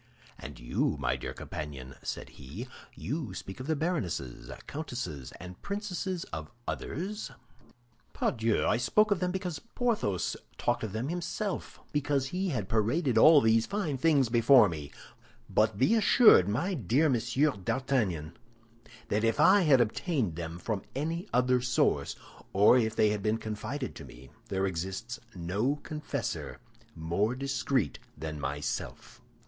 "And you, my dear companion," said he, "you speak of the baronesses, countesses, and princesses of others?" "Pardieu! I spoke of them because Porthos talked of them himself, because he had paraded all these fine things before me. But be assured, my dear Monsieur d'Artagnan, that if I had obtained them from any other source, or if they had been confided to me, there exists no confessor more discreet than myself."